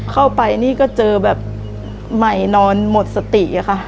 เข้าไปนี่ก็เจอแบบใหม่นอนหมดสติอะค่ะ